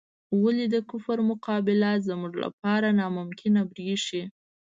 ولې د کفر مقابله زموږ لپاره ناممکنه بریښي؟